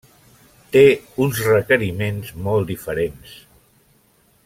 Té uns requeriments molt diferents.